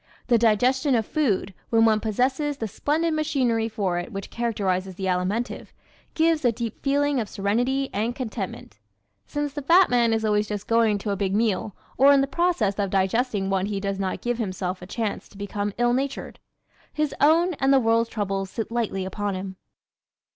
The digestion of food, when one possesses the splendid machinery for it which characterizes the Alimentive, gives a deep feeling of serenity and contentment. Since the fat man is always just going to a big meal or in the process of digesting one he does not give himself a chance to become ill natured. His own and the world's troubles sit lightly upon him.